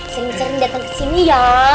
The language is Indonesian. sering sering datang ke sini ya